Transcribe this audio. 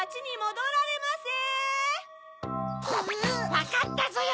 わかったぞよ！